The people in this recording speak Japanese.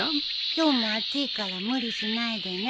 今日も暑いから無理しないでね。